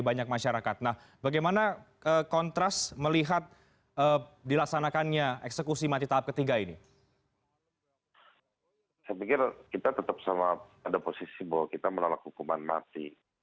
saya pikir kita tetap sama pada posisi bahwa kita menolak hukuman mati